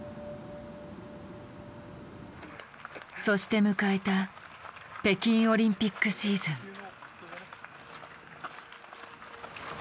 そして迎えた北京オリンピックシーズン。